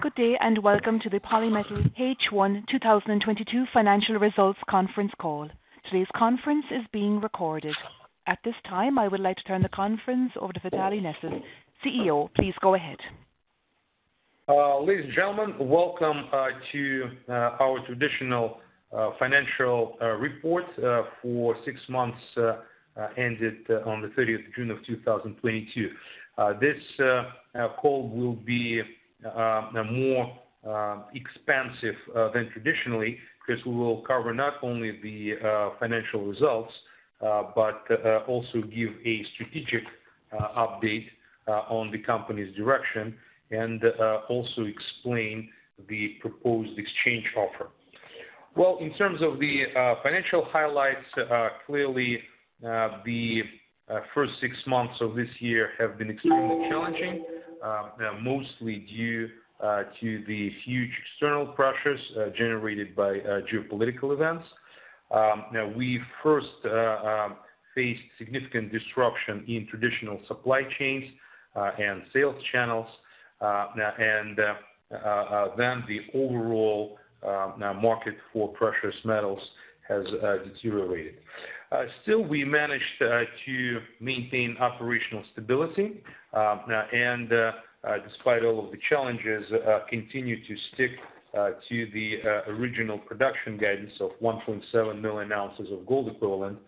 Good day, and welcome to the Polymetal H1 2022 financial results conference call. Today's conference is being recorded. At this time, I would like to turn the conference over to Vitaly Nesis, CEO. Please go ahead. Ladies and gentlemen, welcome to our traditional financial report for six months ended on the 30th June 2022. This call will be more expansive than traditionally, because we will cover not only the financial results, but also give a strategic update on the company's direction and also explain the proposed exchange offer. Well, in terms of the financial highlights, clearly the first six months of this year have been extremely challenging, mostly due to the huge external pressures generated by geopolitical events. Now, we first faced significant disruption in traditional supply chains and sales channels, and then the overall market for precious metals has deteriorated. Still we managed to maintain operational stability and, despite all of the challenges, continue to stick to the original production guidance of 1.7 million oz. Of gold equivalent,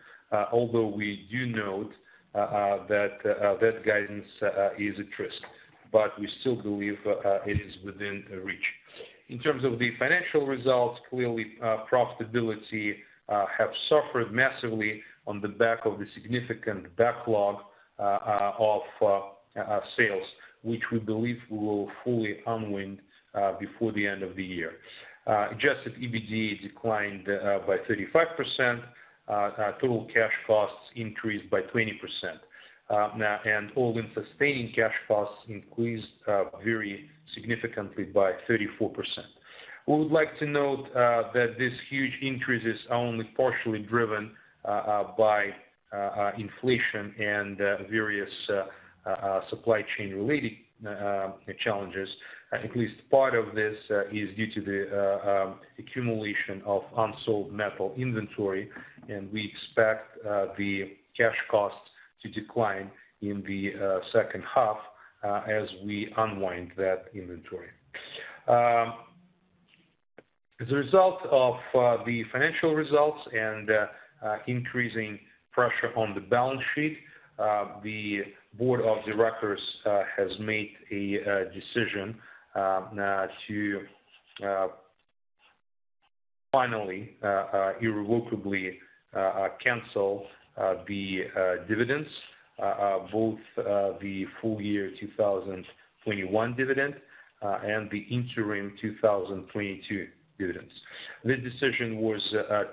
although we do note that that guidance is at risk, but we still believe it is within reach. In terms of the financial results, clearly, profitability have suffered massively on the back of the significant backlog of sales, which we believe will fully unwind before the end of the year. Adjusted EBITDA declined by 35%. Total cash costs increased by 20%, and all-in sustaining cash costs increased very significantly by 34%. We would like to note that this huge increase is only partially driven by inflation and various supply chain-related challenges. At least part of this is due to the accumulation of unsold metal inventory, and we expect the cash costs to decline in the second half as we unwind that inventory. As a result of the financial results and increasing pressure on the balance sheet, the board of directors has made a decision to finally irrevocably cancel the dividends, both the full year 2021 dividend and the interim 2022 dividends. This decision was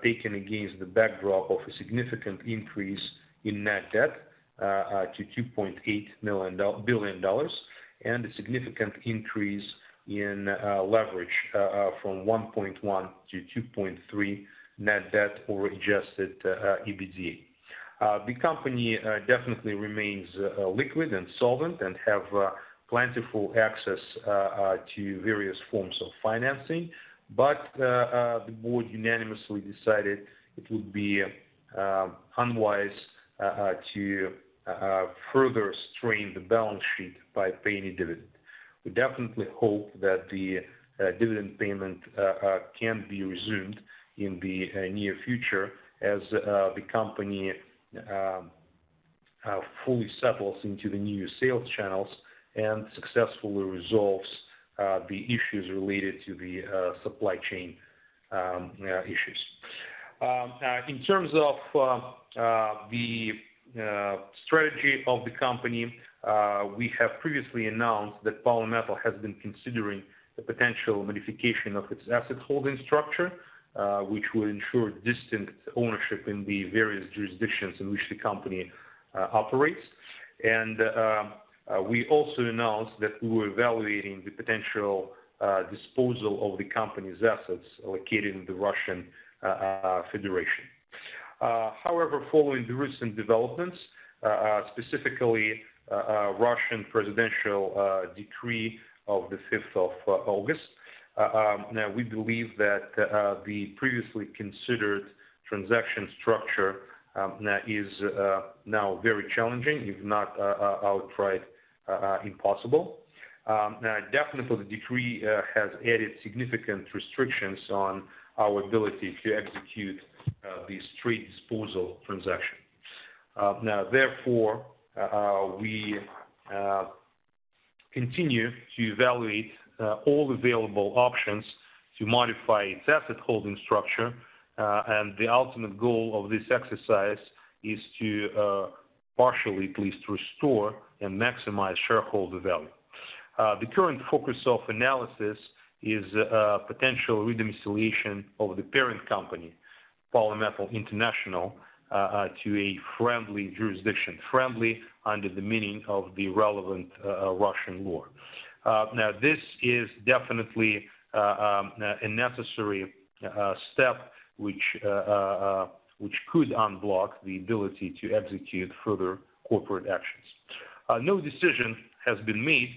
taken against the backdrop of a significant increase in net debt to $2.8 billion, and a significant increase in leverage from 1.1 to 2.3 net debt to adjusted EBITDA. The company definitely remains liquid and solvent and has plentiful access to various forms of financing, but the board unanimously decided it would be unwise to further strain the balance sheet by paying a dividend. We definitely hope that the dividend payment can be resumed in the near future as the company fully settles into the new sales channels and successfully resolves the issues related to the supply chain issues. in terms of the strategy of the company, we have previously announced that Polymetal has been considering the potential modification of its asset holding structure, which will ensure distinct ownership in the various jurisdictions in which the company operates. We also announced that we were evaluating the potential disposal of the company's assets located in the Russian Federation. However, following the recent developments, specifically, Russian presidential decree of the 5th August, now we believe that the previously considered transaction structure is now very challenging, if not outright impossible. Definitely the decree has added significant restrictions on our ability to execute the straight disposal transaction. Now, therefore, we continue to evaluate all available options to modify its asset holding structure. The ultimate goal of this exercise is to partially at least restore and maximize shareholder value. The current focus of analysis is potential redomiciliation of the parent company, Polymetal International, to a friendly jurisdiction friendly under the meaning of the relevant Russian law. Now, this is definitely a necessary step, which could unblock the ability to execute further corporate actions. No decision has been made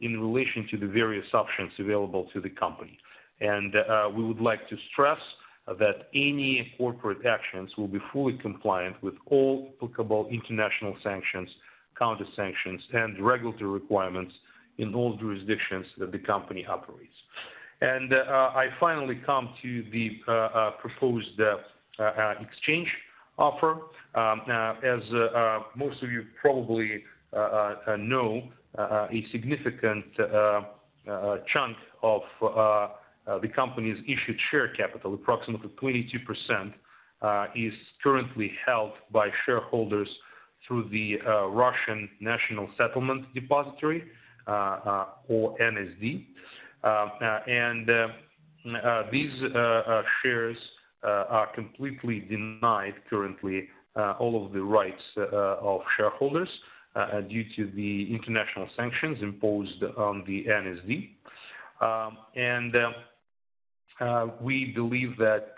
in relation to the various options available to the company. We would like to stress that any corporate actions will be fully compliant with all applicable international sanctions, counter-sanctions, and regulatory requirements in all jurisdictions that the company operates. I finally come to the proposed exchange offer. As most of you probably know, a significant chunk of the company's issued share capital, approximately 22%, is currently held by shareholders through the Russian National Settlement Depository, or NSD. These shares are completely denied currently all of the rights of shareholders due to the international sanctions imposed on the NSD. We believe that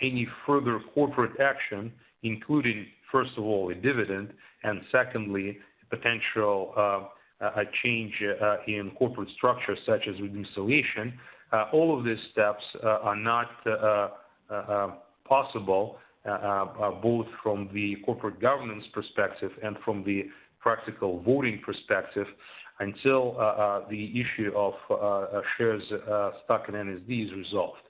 any further corporate action, including, first of all, a dividend, and secondly, potential a change in corporate structure such as a dissolution, all of these steps are not possible both from the corporate governance perspective and from the practical voting perspective until the issue of shares stuck in NSD is resolved.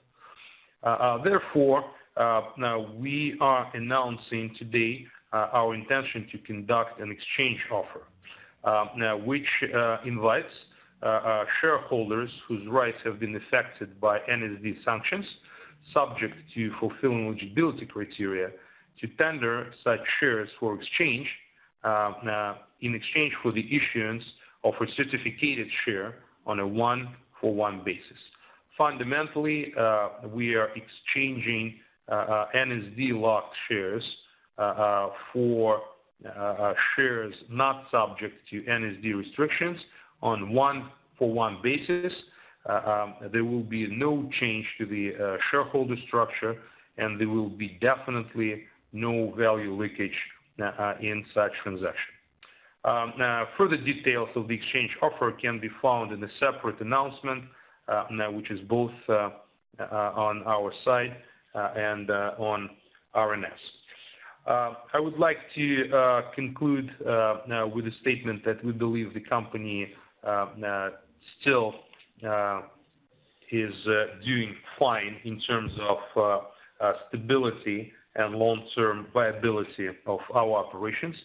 We are announcing today our intention to conduct an exchange offer which invites shareholders whose rights have been affected by NSD sanctions, subject to fulfilling eligibility criteria, to tender such shares for exchange in exchange for the issuance of a certificated share on a one-for-one basis. Fundamentally, we are exchanging NSD-locked shares for shares not subject to NSD restrictions on one-for-one basis. There will be no change to the shareholder structure, and there will be definitely no value leakage in such transaction. Further details of the exchange offer can be found in a separate announcement, now which is both on our site and on RNS. I would like to conclude now with a statement that we believe the company still is doing fine in terms of stability and long-term viability of our operations.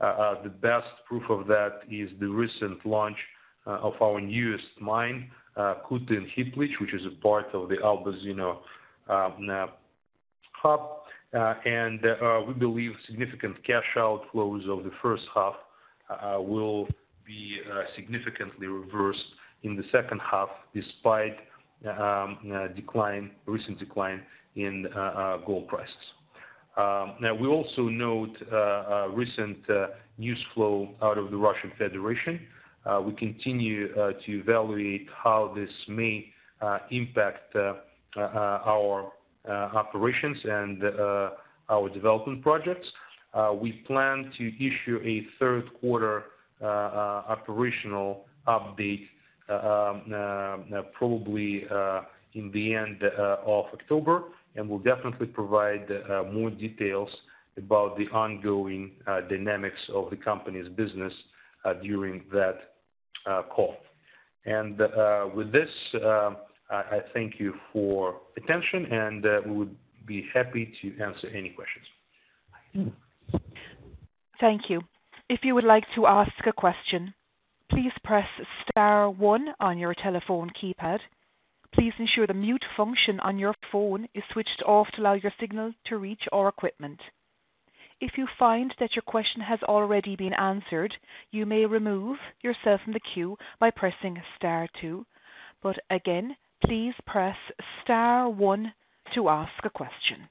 The best proof of that is the recent launch of our newest mine, Kutyn, which is a part of the Albazino hub. We believe significant cash outflows of the first half will be significantly reversed in the second half despite recent decline in gold prices. Now we also note recent news flow out of the Russian Federation. We continue to evaluate how this may impact our operations and our development projects. We plan to issue a third quarter operational update probably in the end of October, and we'll definitely provide more details about the ongoing dynamics of the company's business during that call. With this, I thank you for attention, and we would be happy to answer any questions. Thank you. If you would like to ask a question, please press star one on your telephone keypad. Please ensure the mute function on your phone is switched off to allow your signal to reach our equipment. If you find that your question has already been answered, you may remove yourself from the queue by pressing star two. Again, please press star one to ask a question.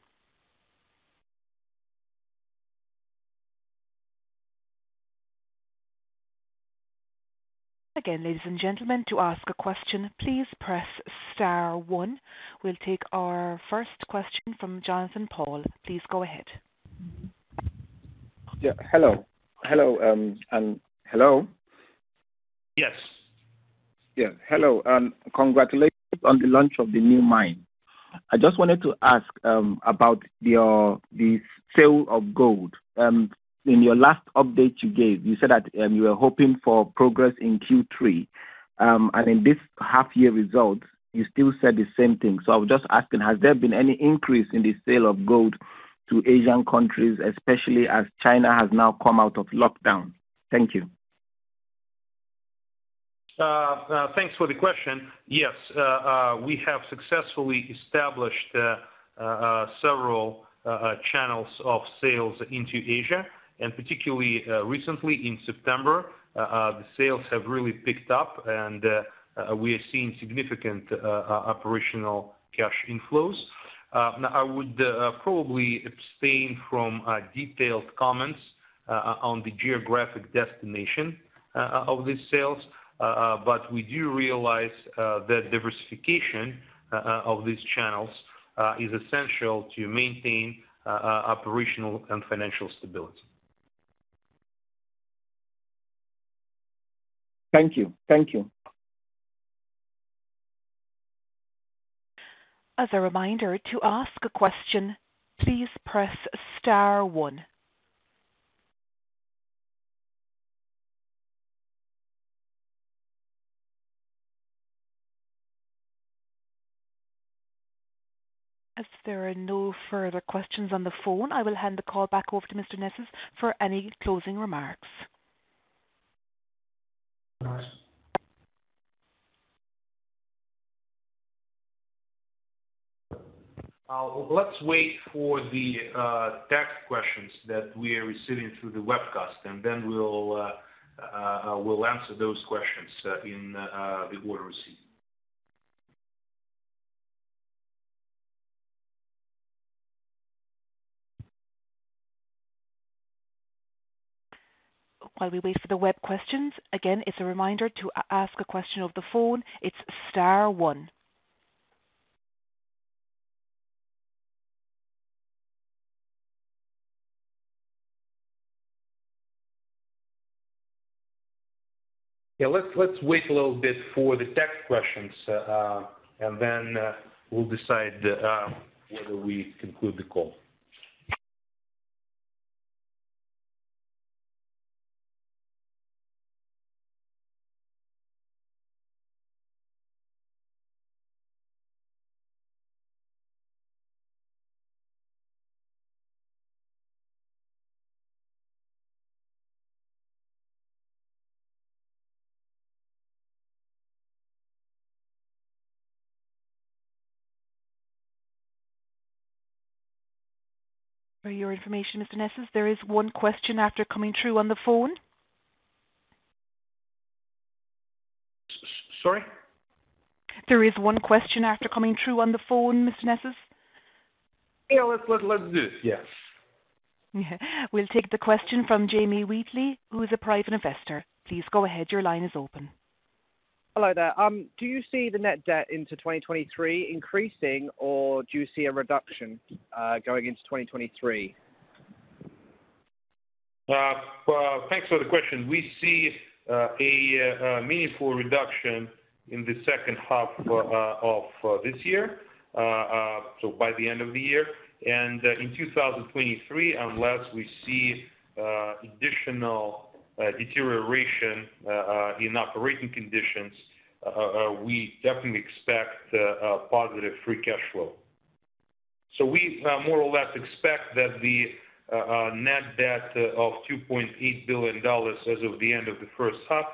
Again, ladies and gentlemen, to ask a question, please press star one. We'll take our first question from Jonathan Paul. Please go ahead. Yeah. Hello? Yes. Yeah. Hello, and congratulations on the launch of the new mine. I just wanted to ask about the sale of gold. In your last update you gave, you said that you were hoping for progress in Q3. In this half year results, you still said the same thing. I was just asking, has there been any increase in the sale of gold to Asian countries, especially as China has now come out of lockdown? Thank you. Thanks for the question. Yes. We have successfully established several channels of sales into Asia, and particularly, recently in September, the sales have really picked up and, we are seeing significant operational cash inflows. Now I would probably abstain from detailed comments on the geographic destination of these sales. We do realize that diversification of these channels is essential to maintain operational and financial stability. Thank you. Thank you. As a reminder, to ask a question, please press star one. As there are no further questions on the phone, I will hand the call back over to Mr. Nesis for any closing remarks. Let's wait for the text questions that we are receiving through the webcast, and then we'll answer those questions in the order received. While we wait for the web questions, again, as a reminder to ask a question over the phone, it's star one. Yeah, let's wait a little bit for the text questions, and then we'll decide whether we conclude the call. For your information, Mr. Nesis, there is one question after coming through on the phone. Sorry? There is one question after coming through on the phone, Mr. Nesis. Yeah, let's do this, yes. Yeah. We'll take the question from Jamie Wheatley, who is a private investor. Please go ahead. Your line is open. Hello there. Do you see the net debt into 2023 increasing, or do you see a reduction, going into 2023? Thanks for the question. We see a meaningful reduction in the second half of this year, so by the end of the year. In 2023, unless we see additional deterioration in operating conditions, we definitely expect a positive free cash flow. We more or less expect that the net debt of $2.8 billion as of the end of the first half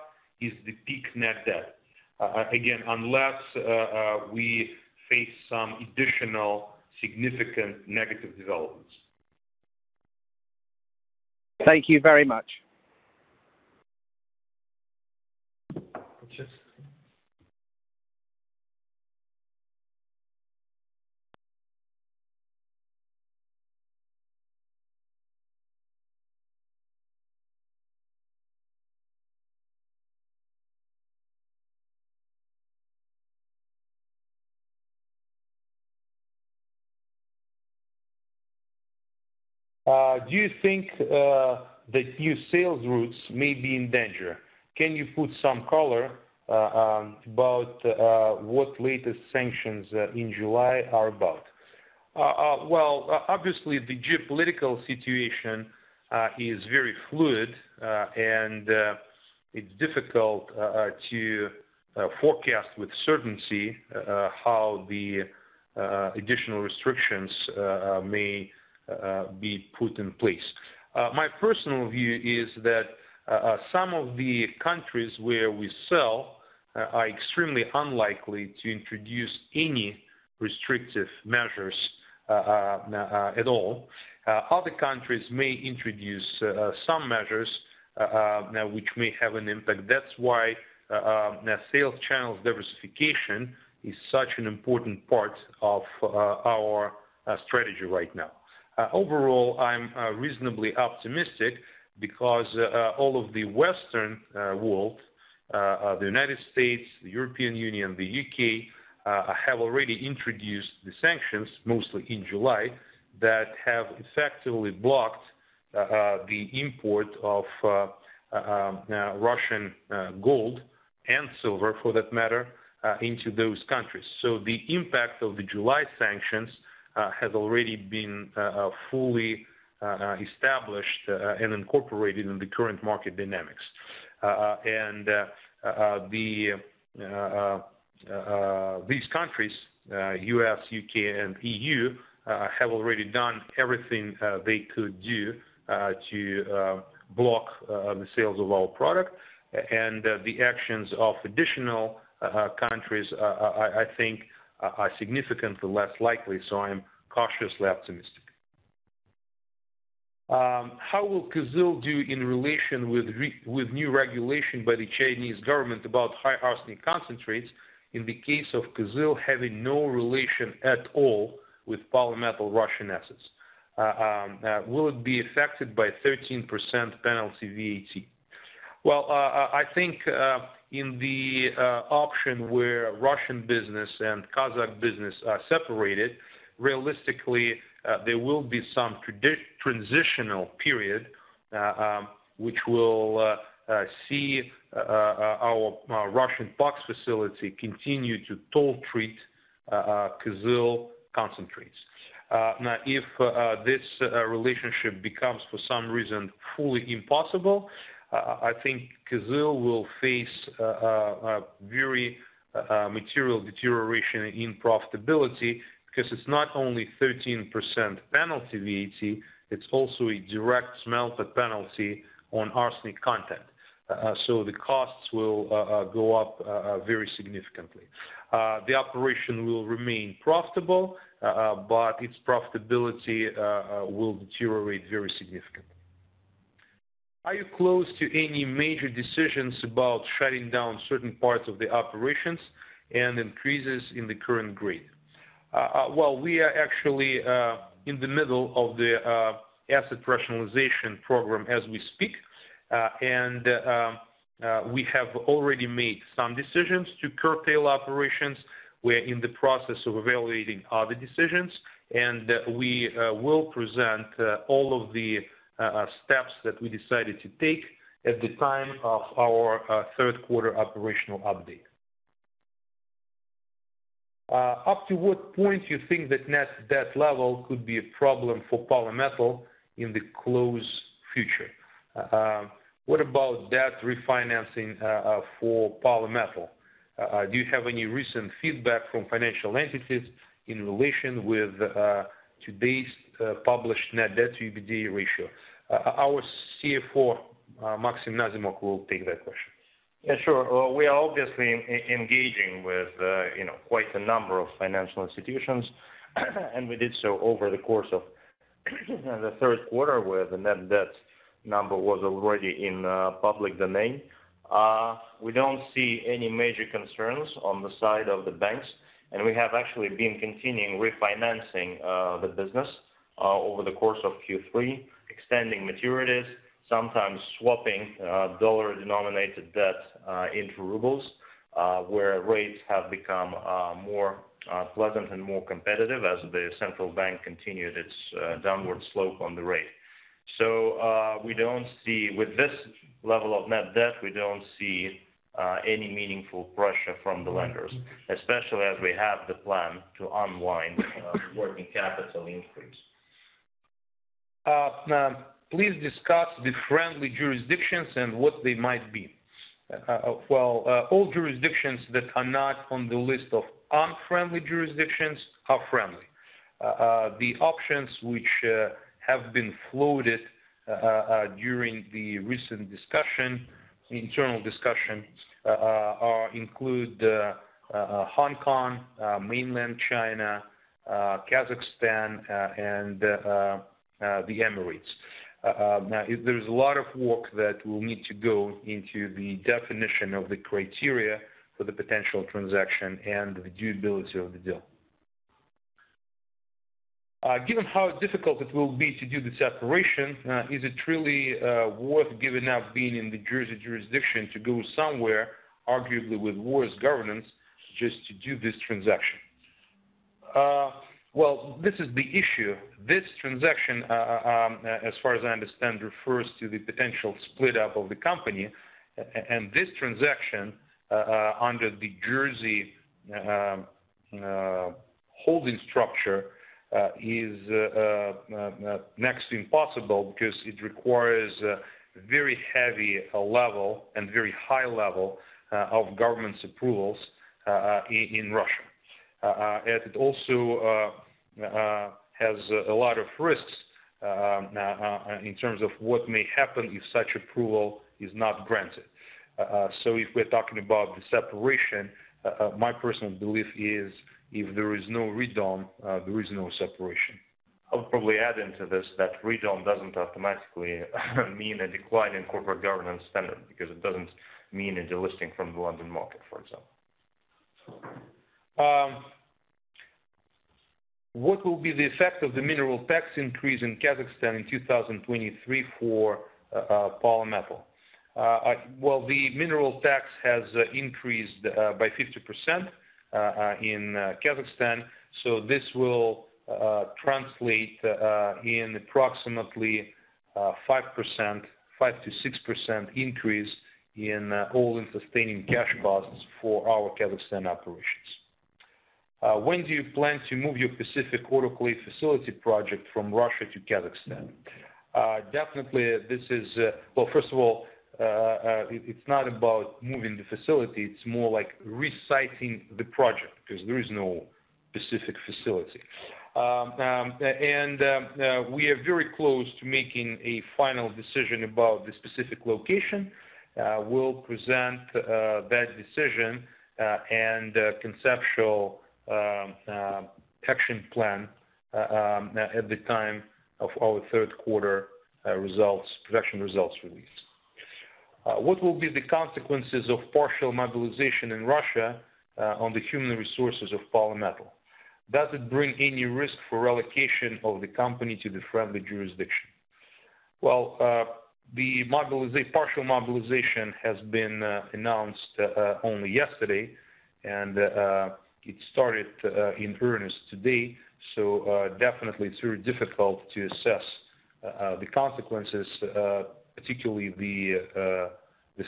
is the peak net debt, again, unless we face some additional significant negative developments. Thank you very much. Do you think that your sales routes may be in danger? Can you put some color about what the latest sanctions in July are about? Obviously the geopolitical situation is very fluid, and it's difficult to forecast with certainty how the additional restrictions may be put in place. My personal view is that some of the countries where we sell are extremely unlikely to introduce any restrictive measures at all. Other countries may introduce some measures which may have an impact. That's why sales channel diversification is such an important part of our strategy right now. Overall, I'm reasonably optimistic because all of the Western world, the United States, the European Union, the U.K., have already introduced the sanctions, mostly in July, that have effectively blocked the import of Russian gold and silver for that matter into those countries. The impact of the July sanctions has already been fully established and incorporated in the current market dynamics. These countries, U.S., U.K., and EU, have already done everything they could do to block the sales of our product. The actions of additional countries I think are significantly less likely, so I'm cautiously optimistic. How will Kyzyl do in relation with new regulation by the Chinese government about high arsenic concentrates in the case of Kyzyl having no relation at all with Polymetal Russian assets? Will it be affected by 13% penalty VAT? Well, I think, in the option where Russian business and Kazakh business are separated, realistically, there will be some transitional period, which will see our Russian POX facility continue to toll treat Kyzyl concentrates. Now if this relationship becomes for some reason fully impossible, I think Kyzyl will face a very material deterioration in profitability because it's not only 13% penalty VAT, it's also a direct smelter penalty on arsenic content. The costs will go up very significantly. The operation will remain profitable, but its profitability will deteriorate very significantly. Are you close to any major decisions about shutting down certain parts of the operations and increases in the cut-off grade? Well, we are actually in the middle of the asset rationalization program as we speak. We have already made some decisions to curtail operations. We are in the process of evaluating other decisions, and we will present all of the steps that we decided to take at the time of our third quarter operational update. Up to what point do you think that net debt level could be a problem for Polymetal in the near future? What about debt refinancing for Polymetal? Do you have any recent feedback from financial entities in relation with today's published net debt to EBITDA ratio? Our CFO, Maxim Nazimok, will take that question. Yeah, sure. We are obviously engaging with, you know, quite a number of financial institutions, and we did so over the course of the third quarter where the net debt number was already in public domain. We don't see any major concerns on the side of the banks, and we have actually been continuing refinancing the business over the course of Q3, extending maturities, sometimes swapping dollar-denominated debt into rubles where rates have become more pleasant and more competitive as the central bank continued its downward slope on the rate. We don't see. With this level of net debt, we don't see any meaningful pressure from the lenders, especially as we have the plan to unwind working capital increase. Now please discuss the friendly jurisdictions and what they might be. Well, all jurisdictions that are not on the list of unfriendly jurisdictions are friendly. The options which have been floated during the recent internal discussion include Hong Kong, Mainland China, Kazakhstan, and the Emirates. Now there's a lot of work that will need to go into the definition of the criteria for the potential transaction and the due diligence of the deal. Given how difficult it will be to do the separation, is it really worth giving up being in the Jersey jurisdiction to go somewhere arguably with worse governance just to do this transaction? Well, this is the issue. This transaction, as far as I understand, refers to the potential split up of the company. This transaction, under the Jersey holding structure, is next to impossible because it requires a very heavy level and very high level of government's approvals in Russia. It also has a lot of risks in terms of what may happen if such approval is not granted. If we're talking about the separation, my personal belief is if there is no redom, there is no separation. I would probably add into this that redom doesn't automatically mean a decline in corporate governance standard because it doesn't mean a delisting from the London market, for example. What will be the effect of the mineral tax increase in Kazakhstan in 2023 for Polymetal? Well, the mineral tax has increased by 50% in Kazakhstan, so this will translate in approximately 5%-6% increase in all-in sustaining cash costs for our Kazakhstan operations. When do you plan to move your Pacific autoclave facility project from Russia to Kazakhstan? Well, first of all, it's not about moving the facility, it's more like resiting the project because there is no specific facility. We are very close to making a final decision about the specific location. We'll present that decision and conceptual action plan at the time of our third quarter results production results release. What will be the consequences of partial mobilization in Russia on the human resources of Polymetal? Does it bring any risk for relocation of the company to the friendly jurisdiction? Well, the partial mobilization has been announced only yesterday, and it started in earnest today, so definitely it's very difficult to assess. The consequences, particularly the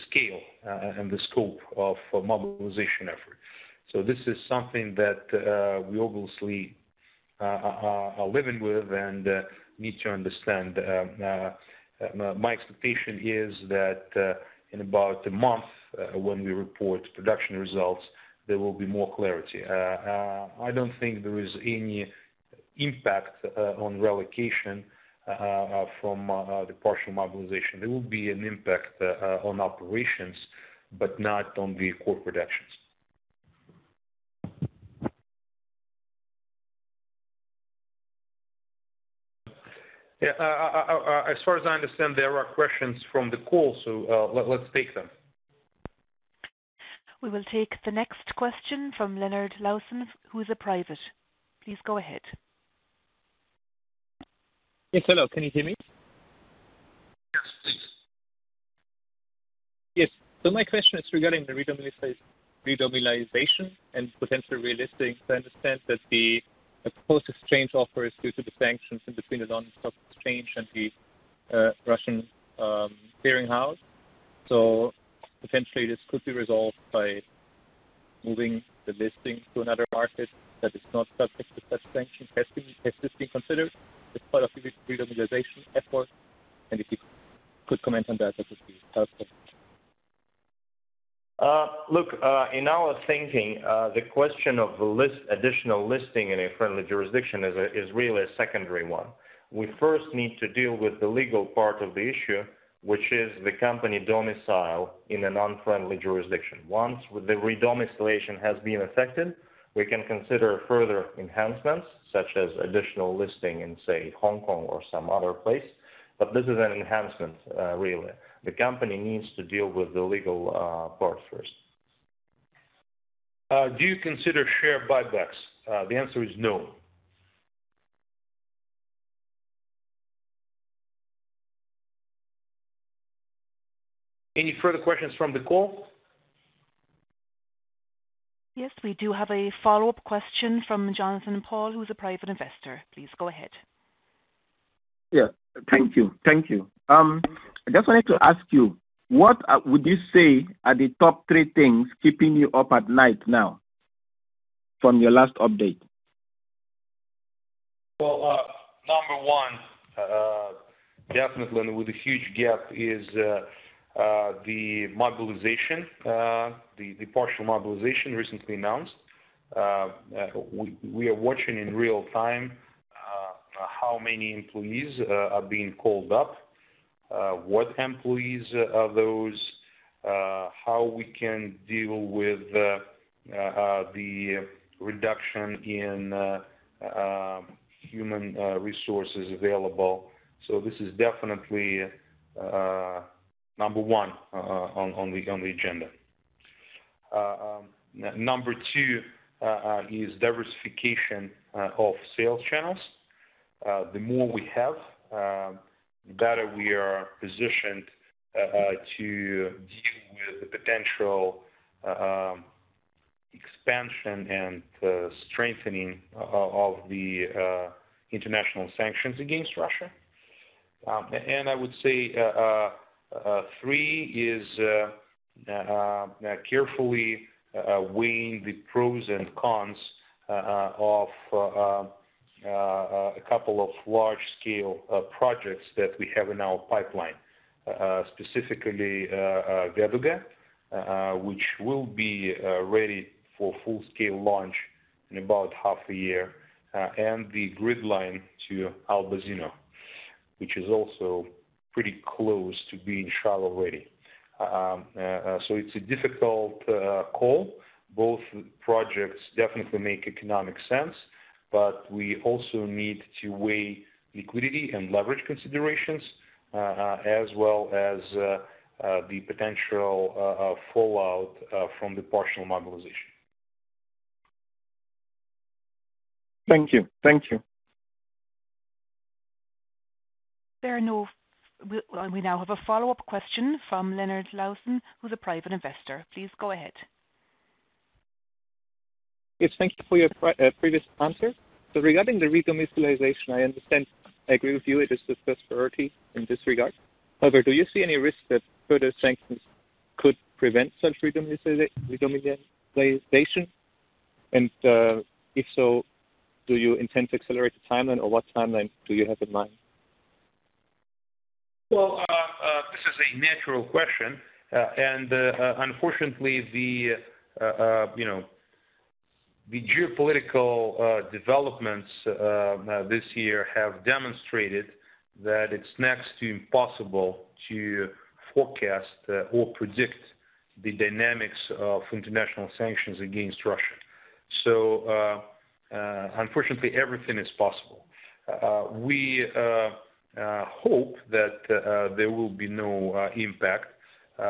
scale and the scope of mobilization effort. This is something that we obviously are living with and need to understand. My expectation is that in about a month when we report production results, there will be more clarity. I don't think there is any impact on relocation from the partial mobilization. There will be an impact on operations, but not on the core productions. As far as I understand, there are questions from the call, so let's take them. We will take the next question from Leonard Lawson, who is a private investor. Please go ahead. Yes, hello. Can you hear me? Yes, please. Yes. My question is regarding the redomiciliation and potential realistic. I understand that the supposed exchange offer is due to the sanctions between the London Stock Exchange and the Russian clearing house. Potentially this could be resolved by moving the listing to another market that is not subject to such sanction. Has this been considered as part of the redomiciliation effort? And if you could comment on that would be helpful. Look, in our thinking, the question of additional listing in a friendly jurisdiction is really a secondary one. We first need to deal with the legal part of the issue, which is the company domicile in a non-friendly jurisdiction. Once the redomiciliation has been effected, we can consider further enhancements such as additional listing in, say, Hong Kong or some other place. This is an enhancement, really. The company needs to deal with the legal part first. Do you consider share buybacks? The answer is no. Any further questions from the call? Yes, we do have a follow-up question from Jonathan Paul, who is a private investor. Please go ahead. Yes, thank you. Thank you. I just wanted to ask you, what would you say are the top three things keeping you up at night now from your last update? Well, number one, definitely and with a huge gap is the mobilization, the partial mobilization recently announced. We are watching in real time how many employees are being called up, what employees are those, how we can deal with the reduction in human resources available. This is definitely number one on the agenda. Number two is diversification of sales channels. The more we have, the better we are positioned to deal with the potential expansion and strengthening of the international sanctions against Russia. I would say three is carefully weighing the pros and cons of a couple of large scale projects that we have in our pipeline. Specifically, Veduga, which will be ready for full-scale launch in about half a year, and the power line to Albazino, which is also pretty close to being shovel ready. It's a difficult call. Both projects definitely make economic sense, but we also need to weigh liquidity and leverage considerations as well as the potential fallout from the partial mobilization. Thank you. Thank you. We now have a follow-up question from Leonard Lawson, who's a private investor. Please go ahead. Yes, thank you for your previous answer. Regarding the redomiciliation, I understand. I agree with you, it is the first priority in this regard. However, do you see any risk that further sanctions could prevent such redomiciliation? If so, do you intend to accelerate the timeline, or what timeline do you have in mind? Well, this is a natural question. Unfortunately the, you know, the geopolitical developments this year have demonstrated that it's next to impossible to forecast or predict the dynamics of international sanctions against Russia. Unfortunately, everything is possible. We hope that there will be no impact. We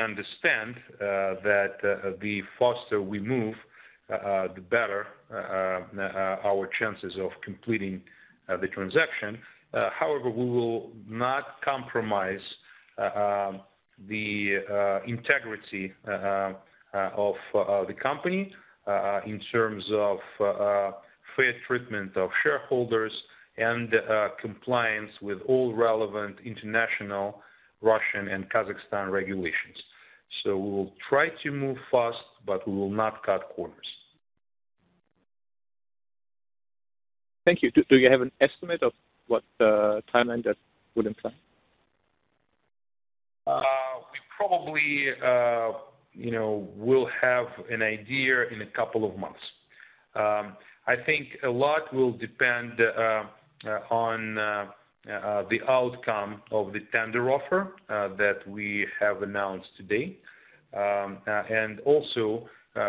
understand that the faster we move, the better our chances of completing the transaction. However, we will not compromise the integrity of the company in terms of fair treatment of shareholders and compliance with all relevant international Russian and Kazakhstan regulations. We will try to move fast, but we will not cut corners. Thank you. Do you have an estimate of what the timeline that would imply? We probably, you know, will have an idea in a couple of months. I think a lot will depend on the outcome of the tender offer that we have announced today.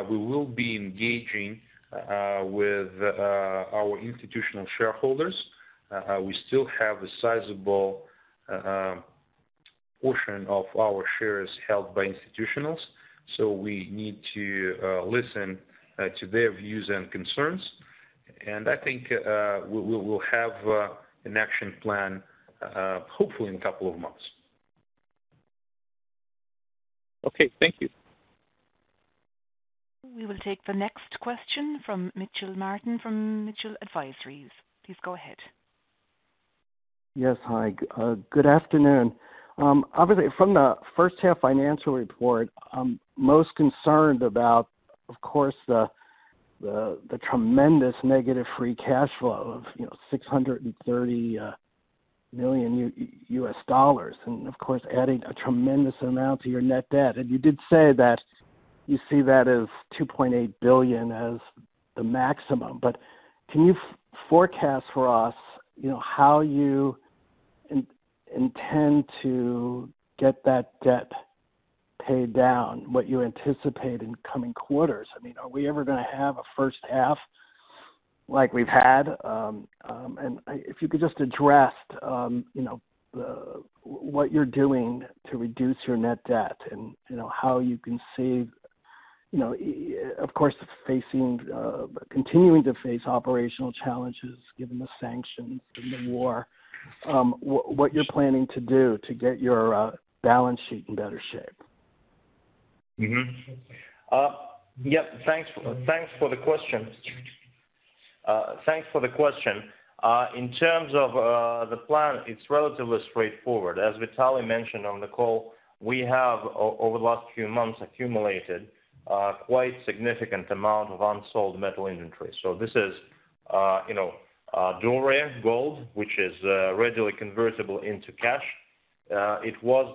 We will be engaging with our institutional shareholders. We still have a sizable portion of our shares held by institutionals, so we need to listen to their views and concerns. I think we'll have an action plan hopefully in a couple of months. Okay. Thank you. We will take the next question from Mitchell Martin from Mitchell Advisory. Please go ahead. Yes. Hi. Good afternoon. Obviously from the first half financial report, I'm most concerned about, of course, the tremendous negative free cash flow of, you know, $630 million, and of course, adding a tremendous amount to your net debt. You did say that you see that as $2.8 billion as the maximum. Can you forecast for us, you know, how you intend to get that debt paid down, what you anticipate in coming quarters? I mean, are we ever gonna have a first half like we've had? If you could just address what you're doing to reduce your net debt and how you can save, of course, continuing to face operational challenges given the sanctions and the war, what you're planning to do to get your balance sheet in better shape? Yep, thanks for the question. In terms of the plan, it's relatively straightforward. As Vitaly mentioned on the call, we have over the last few months accumulated quite significant amount of unsold metal inventory. This is, you know, doré gold, which is readily convertible into cash. It was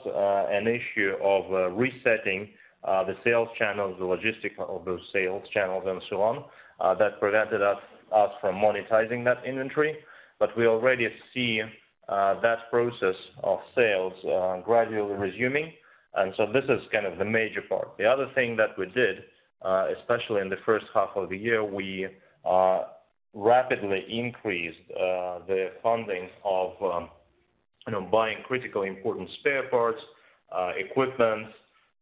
an issue of resetting the sales channels, the logistics of those sales channels and so on that prevented us from monetizing that inventory. We already see that process of sales gradually resuming, and this is kind of the major part. The other thing that we did, especially in the first half of the year, we rapidly increased the funding of, you know, buying critically important spare parts, equipment,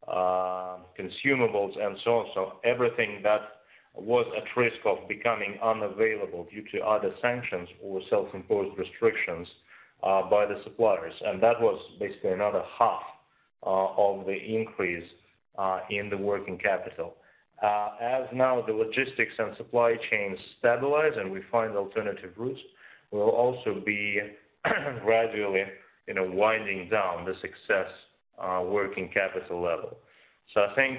consumables and so on. Everything that was at risk of becoming unavailable due to either sanctions or self-imposed restrictions by the suppliers, and that was basically another half of the increase in the working capital. As now the logistics and supply chains stabilize and we find alternative routes, we'll also be gradually, you know, winding down the excess working capital level. I think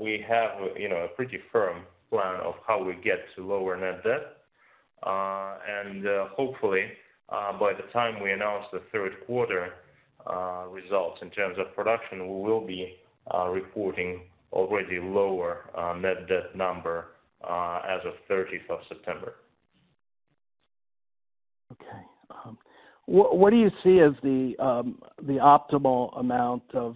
we have, you know, a pretty firm plan of how we get to lower net debt. Hopefully, by the time we announce the third quarter results in terms of production, we will be reporting already lower net debt number as of 30th September. What do you see as the optimal amount of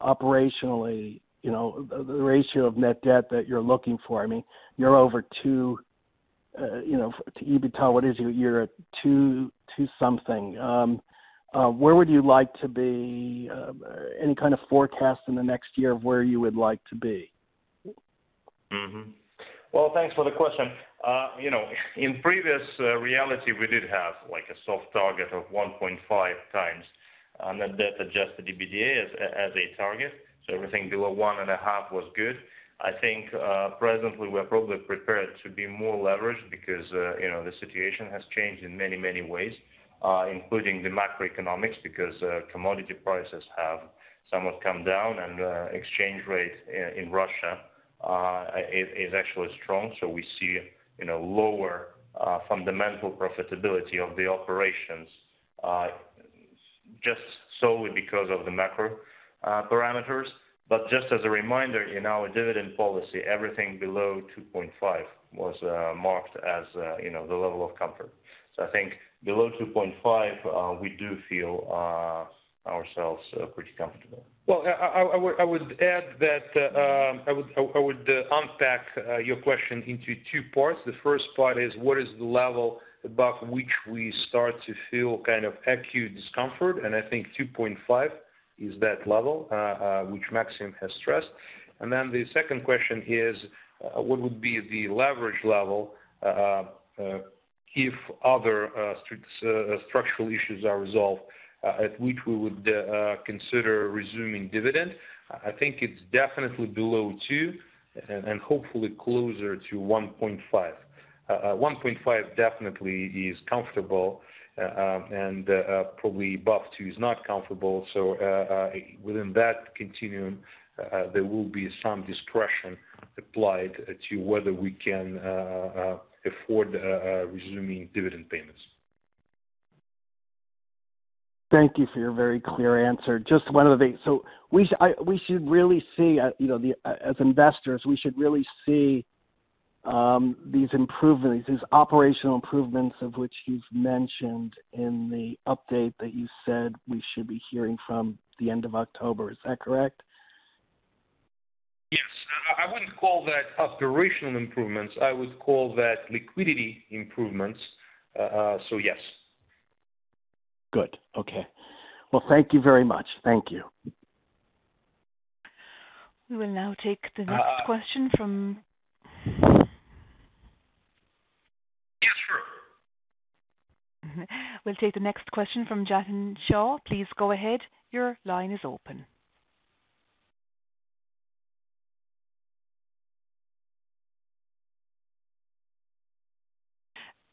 operationally, you know, the ratio of net debt that you're looking for? I mean, you're over two, you know, to EBITDA, what is it, you're at two something. Where would you like to be, any kind of forecast in the next year of where you would like to be? Well, thanks for the question. You know, in previous reality, we did have like a soft target of 1.5x net debt adjusted EBITDA as a target. So everything below 1.5 was good. I think, presently we're probably prepared to be more leveraged because, you know, the situation has changed in many, many ways, including the macroeconomics because commodity prices have somewhat come down and exchange rate in Russia is actually strong. So we see, you know, lower fundamental profitability of the operations just solely because of the macro parameters. But just as a reminder, in our dividend policy, everything below 2.5 was marked as, you know, the level of comfort. So I think below 2.5, we do feel ourselves pretty comfortable. Well, I would add that, I would unpack your question into two parts. The first part is what is the level above which we start to feel kind of acute discomfort? I think 2.5 is that level, which Maxim has stressed. The second question is, what would be the leverage level, if other structural issues are resolved, at which we would consider resuming dividend? I think it's definitely below two and hopefully closer to 1.5. 1.5 definitely is comfortable, and probably above two is not comfortable. Within that continuum, there will be some discretion applied to whether we can afford resuming dividend payments. Thank you for your very clear answer. Just one other thing. We should really see, you know, as investors, these improvements, these operational improvements of which you've mentioned in the update that you said we should be hearing from the end of October. Is that correct? Yes. I wouldn't call that operational improvements. I would call that liquidity improvements. So yes. Good. Okay. Well, thank you very much. Thank you. We will now take the next question from. Yes, sure. We'll take the next question from Jatin Shah. Please go ahead. Your line is open.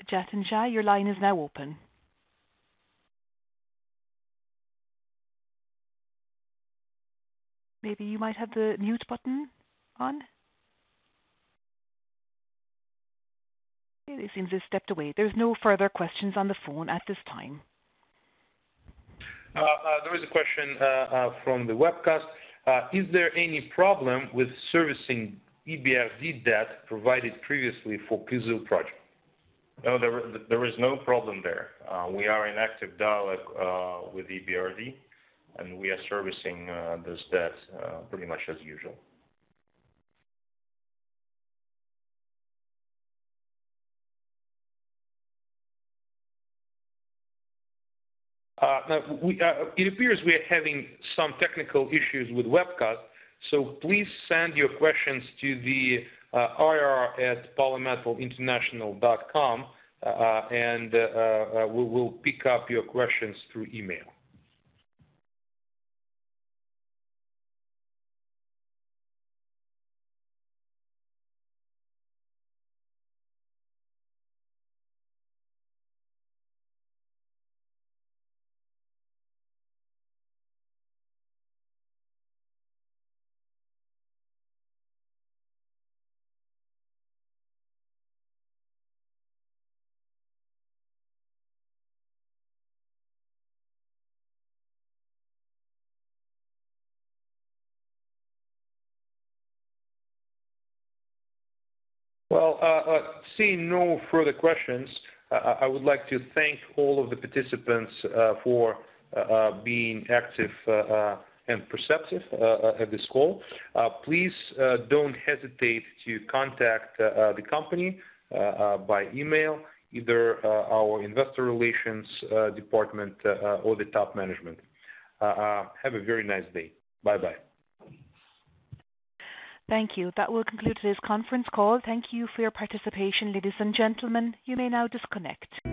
Jatin Shah, your line is now open. Maybe you might have the mute button on. Okay, it seems he's stepped away. There's no further questions on the phone at this time. There is a question from the webcast. Is there any problem with servicing EBRD debt provided previously for Kyzyl project? No, there is no problem there. We are in active dialogue with EBRD, and we are servicing this debt pretty much as usual. It appears we are having some technical issues with webcast, so please send your questions to the IR@polymetalinternational.com, and we will pick up your questions through email. Well, seeing no further questions, I would like to thank all of the participants for being active and perceptive at this call. Please don't hesitate to contact the company by email, either our investor relations department or the top management. Have a very nice day. Bye-bye. Thank you. That will conclude today's conference call. Thank you for your participation, ladies and gentlemen. You may now disconnect.